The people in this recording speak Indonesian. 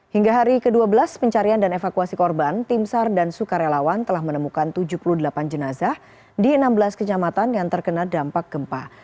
hingga hari ke dua belas pencarian dan evakuasi korban tim sar dan sukarelawan telah menemukan tujuh puluh delapan jenazah di enam belas kecamatan yang terkena dampak gempa